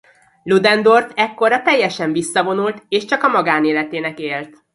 Ludendorff ekkorra teljesen visszavonult és csak a magánéletének élt.